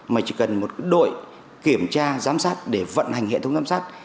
mà chỉ cần một đội kiểm tra giám sát để vận hành hệ thống giám sát